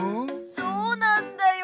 そうなんだよ。